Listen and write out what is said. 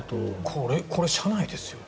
これ、車内ですよ。